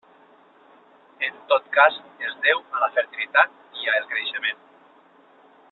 En tot cas, és el déu de la fertilitat i el creixement.